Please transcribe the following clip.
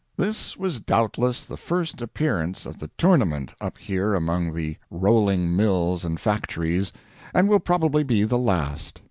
This was doubtless the first appearance of the "tournament" up here among the rolling mills and factories, and will probably be the last.